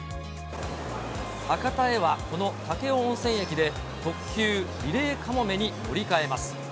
博多へはこの武雄温泉駅で、特急リレーかもめに乗り換えます。